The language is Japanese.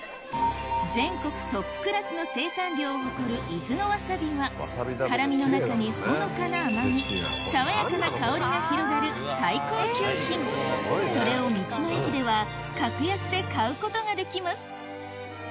全国トップクラスの生産量を誇る伊豆のワサビは辛みの中にほのかな甘み爽やかな香りが広がるそれを道の駅では格安で買うことができます